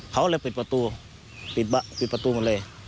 เขาเลยปิดประตูปิดประตูหมดเลย